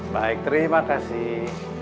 baik terima kasih